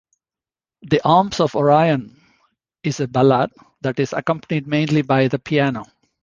"The Arms of Orion" is a ballad that is accompanied mainly by the piano.